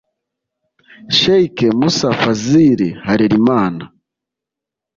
Sheikh Mussa Fazil Harerimana